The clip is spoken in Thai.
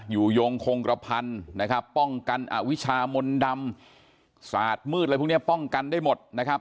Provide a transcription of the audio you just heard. โยงคงกระพันธุ์นะครับป้องกันอวิชามนต์ดำศาสตร์มืดอะไรพวกนี้ป้องกันได้หมดนะครับ